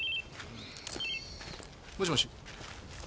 もしもし？